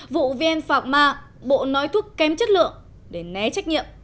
vụ vn phạm ma bộ nói thuốc kém chất lượng để né trách nhiệm